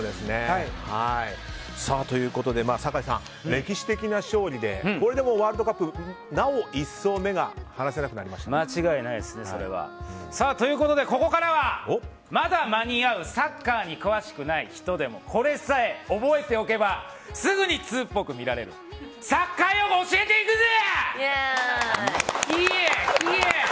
酒井さん、歴史的な勝利でこれでもうワールドカップなお一層それは間違いないですね。ということで、ここからはまだ間に合うサッカーに詳しくない人でもこれさえ覚えておけばすぐにツウっぽく見られるサッカー用語、教えていくぜ！